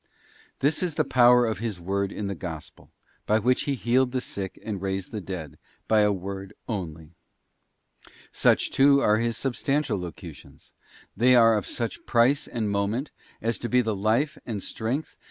This is the power of His word in the Gospel, by which _ He healed the sick and raised the dead, by a word only. Such, too, are His Substantial Locutions; they are of such price and moment, as to be the life and strength and the * Eccles, viii.